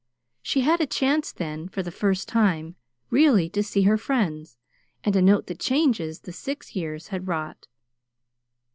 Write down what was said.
She had a chance, then, for the first time, really to see her friends, and to note the changes the six years had wrought.